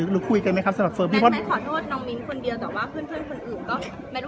หรือคุยกันมั้ยคะสำหรับเซิร์ฟ